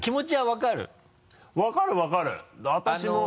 分かる分かる私も。